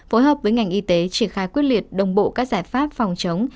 phối hợp với ngành y tế triển khai quyết liệt đồng bộ các giải pháp phòng chống